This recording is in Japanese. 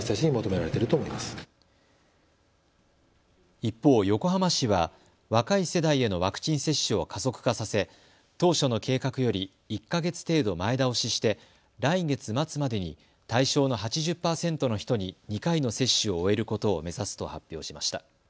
一方、横浜市は若い世代へのワクチン接種を加速化させ当初の計画より１か月程度前倒しして来月末までに対象の８０％の人に２回の接種を終えることを目指すと発表しました。